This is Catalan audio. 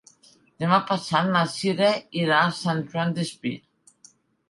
Demà passat na Cira irà a Sant Joan Despí.